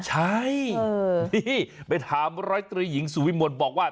ใช่นี่ไปถามร้อยตรีหญิงสุวิมลบอกว่า